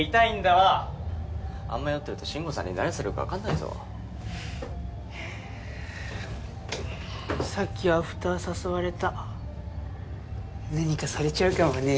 わあんま酔ってると真吾さんに何されるか分かんないぞさっきアフター誘われた何かされちゃうかもね